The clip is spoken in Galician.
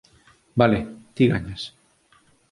Vale, ti gañas.